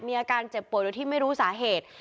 มีอาการเจ็บป่วยโดยที่ไม่รู้สาเหตุ